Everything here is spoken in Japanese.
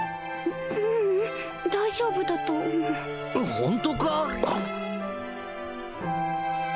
ううん大丈夫だと思うホントか？